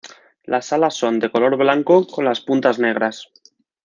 Las alas son de color blanco con las puntas negras.